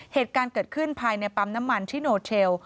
เหตุการณ์เกิดขึ้นภายในปั๊มน้ำมันชิโนเชล